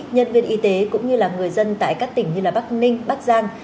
nhân viên y tế cũng như là người dân tại các tỉnh như bắc ninh bắc giang